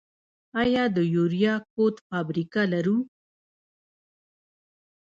آیا د یوریا کود فابریکه لرو؟